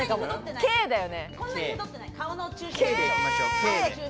Ｋだよね。